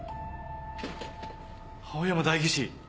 青山代議士！